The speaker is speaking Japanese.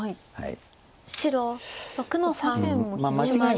白６の三シマリ。